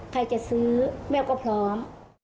ใครจะซื้อแม่ก็พร้อม